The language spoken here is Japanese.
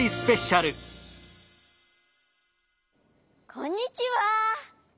こんにちは！